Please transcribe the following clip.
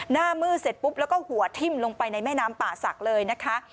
หน้ามืดเสร็จปุ๊บแล้วก็หัวทิ้มลงไปในแม่น้ำป่าศักดิ์เลยนะคะ